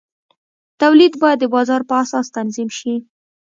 تولید باید د بازار په اساس تنظیم شي.